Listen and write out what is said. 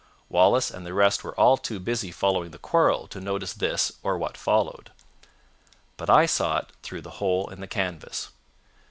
Wallace and the rest were all too busy following the quarrel to notice this or what followed. "But I saw it through the hole in the canvas.